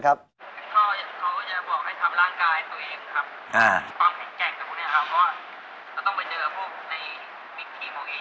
ก็จะบอกให้ทำร่างกายตัวเองครับ